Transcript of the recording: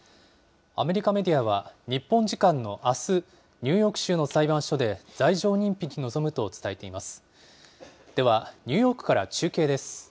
アメリカメディアは、日本時間のあす、ニューヨーク州の裁判所で罪状認否に臨むと伝えています。